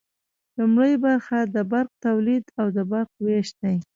لومړی برخه د برق تولید او د برق ویش دی.